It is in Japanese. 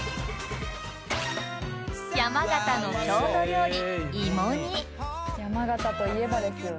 山形の郷土料理芋煮「山形といえばですよね」